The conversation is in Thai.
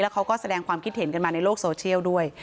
เขาก็แสดงความคิดเห็นกันมาในโลกโซเชียลด้วย